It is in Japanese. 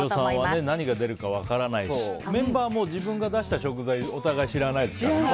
飯尾さんは何が出るか分からないしメンバーも自分が出した食材お互い、知らないですからね。